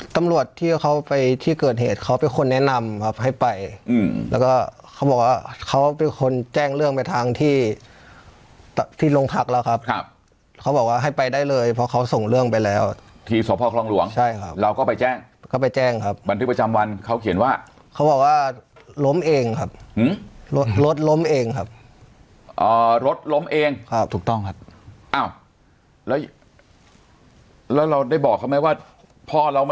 ตำรวจที่เขาไปที่เกิดเหตุเขาเป็นคนแนะนำครับให้ไปอืมแล้วก็เขาบอกว่าเขาเป็นคนแจ้งเรื่องไปทางที่ที่โรงพักแล้วครับครับเขาบอกว่าให้ไปได้เลยเพราะเขาส่งเรื่องไปแล้วที่สพคลองหลวงใช่ครับเราก็ไปแจ้งเขาไปแจ้งครับบันทึกประจำวันเขาเขียนว่าเขาบอกว่าล้มเองครับรถรถล้มเองครับรถล้มเองครับถูกต้องครับอ้าวแล้วแล้วเราได้บอกเขาไหมว่าพ่อเรามา